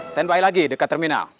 stand by lagi dekat terminal